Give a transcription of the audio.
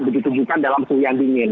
begitu bukan dalam suhu yang dingin